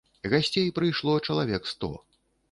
Гасцей прыйшло чалавек сто.